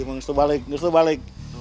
ngestu balik ngestu balik